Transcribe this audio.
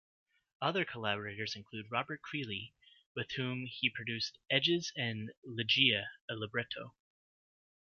Other collaborators include Robert Creeley, with whom he produced "Edges" and "Legeia: A Libretto".